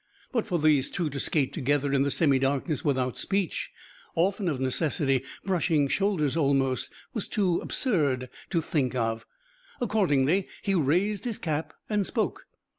But for these two to skate together in the semi darkness without speech, often of necessity brushing shoulders almost, was too absurd to think of. Accordingly he raised his cap and spoke.